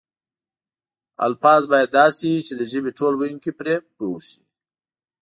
الفاظ باید داسې وي چې د ژبې ټول ویونکي پرې پوه شي.